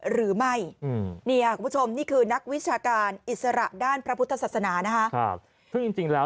หรือไม่คุณผู้ชมนี่คือนักวิชาการอิสระด้านพระพุทธสัตสนาพี่จริงแล้ว